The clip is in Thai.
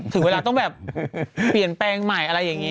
ถึงเวลาต้องแบบเปลี่ยนแปลงใหม่อะไรอย่างนี้